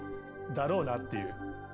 だろうなっていう。